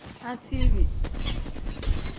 Asiibi.